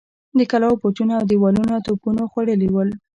د کلاوو برجونه اودېوالونه توپونو خوړلي ول.